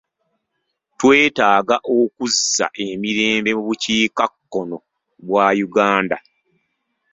Twetaaga okuzza emirembe mu bukiikakkono bwa Uganda.